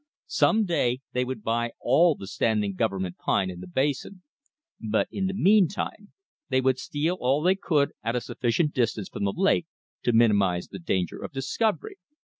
Some day they would buy all the standing Government pine in the basin; but in the meantime they would steal all they could at a sufficient distance from the lake to minimize the danger of discovery.